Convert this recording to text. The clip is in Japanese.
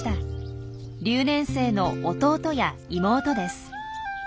留年生の弟や妹です。